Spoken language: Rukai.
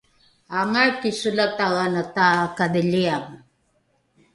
aangai kisolatae ana takadhiliange?